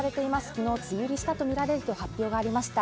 昨日、梅雨入りしたとみられると発表されました